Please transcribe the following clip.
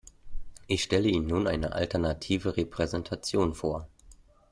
Ich stelle Ihnen nun eine alternative Repräsentation vor.